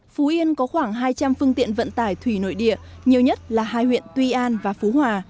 phú yên có khoảng hai trăm linh phương tiện vận tải thủy nội địa nhiều nhất là hai huyện tuy an và phú hòa